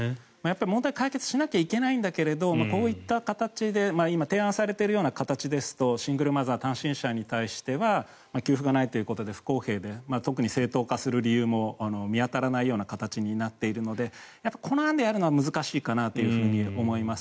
問題は解決しなきゃいけないんだけどこういった形で今提案されているような形ですとシングルマザー単身者に対しては給付がないということで不公平で、特に正当化する理由も見当たらない形になっているのでこの案でやるのは難しいかなと思います。